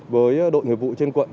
với đội người vụ trên quận